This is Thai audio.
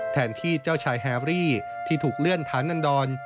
แทนที่เจ้าชายแฮรี่ที่ถูกเลื่อนฐานันดร